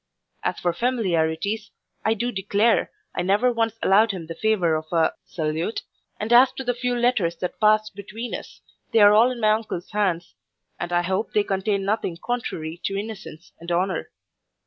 As for familiarities, I do declare, I never once allowed him the favour of a: salute; and as to the few letters that passed between us, they are all in my uncle's hands, and I hope they contain nothing contrary to innocence and honour.